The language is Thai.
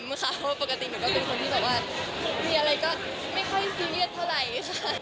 มีอะไรก็ไม่ค่อยซีเรียสเท่าไรค่ะ